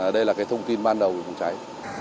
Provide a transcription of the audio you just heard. đây là cái thông tin ban đầu của công cháy